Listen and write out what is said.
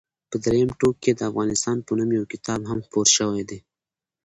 په درېیم ټوک کې د افغانستان په نوم یو کتاب هم خپور شوی دی.